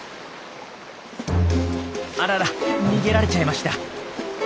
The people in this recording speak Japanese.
あらら逃げられちゃいました。